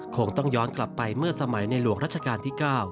คงต้องย้อนกลับไปเมื่อสมัยในหลวงรัชกาลที่๙